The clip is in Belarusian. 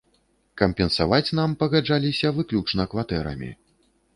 Кампенсаваць нам пагаджаліся выключна кватэрамі.